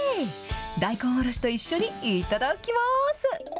大根おろしと一緒に頂きます。